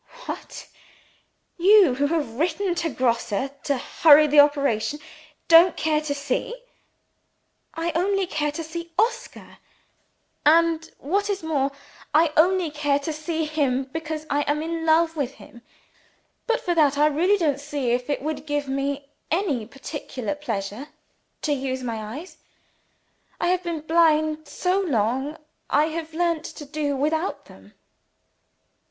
"What! you, who have written to Grosse to hurry the operation, don't care to see?" "I only care to see Oscar. And, what is more, I only care to see him because I am in love with him. But for that, I really don't feel as if it would give me any particular pleasure to use my eyes. I have been blind so long, I have learnt to do without them."